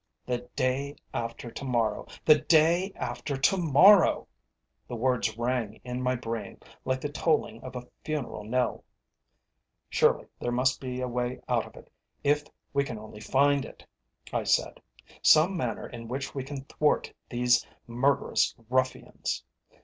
"The day after to morrow! The day after to morrow!" The words rang in my brain like the tolling of a funeral knell. "Surely there must be a way out of it if we can only find it," I said "some manner in which we can thwart these murderous ruffians.